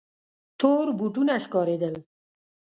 تور بوټونه ښکارېدل.